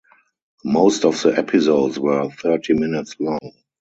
Most of the episodes were thirty minutes long.